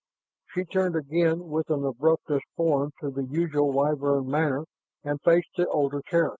She turned again with an abruptness foreign to the usual Wyvern manner and faced the older Terran.